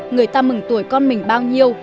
người ta mừng tuổi con mình bao nhiêu